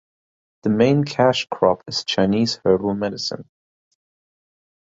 The main cash crop is Chinese herbal medicine.